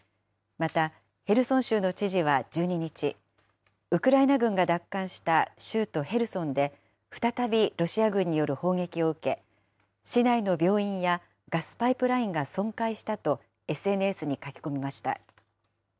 また、ヘルソン州の知事は１２日、ウクライナ軍が奪還した州都ヘルソンで、再びロシア軍による砲撃を受け、市内の病院やガスパイプラインが損壊したとＳＮＳに書き込みました。